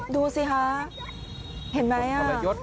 ดูสิคะเห็นไหม